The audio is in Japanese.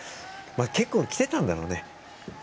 結構、きてたんだろうね。